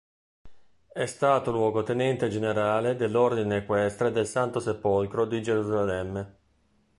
È stato Luogotenente Generale dell'Ordine Equestre del Santo Sepolcro di Gerusalemme.